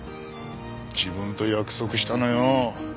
自分と約束したのよ。